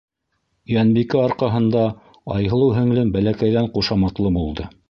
Йәнбикә арҡаһында Айһылыу һеңлем бәләкәйҙән ҡушаматлы булды.